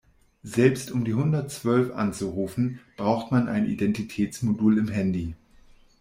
Selbst um die hundertzwölf anzurufen, braucht man ein Identitätsmodul im Handy.